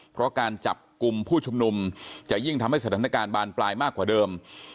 เพราะการจับกลุ่มผู้ชุมนุมจะยิ่งทำให้สถานการณ์บานปลายมากกว่าเดิม